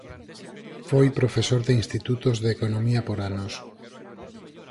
Foi profesor de institutos de economía por anos.